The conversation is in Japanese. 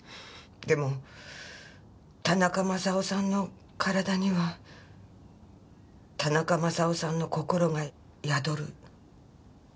でも田中マサオさんの体には田中マサオさんの心が宿る。